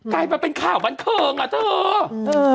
กลายมาเป็นข่าวบันเทิงอ่ะเถอะ